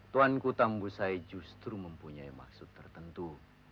tuan kutambu saya justru mempunyai maksud tertentu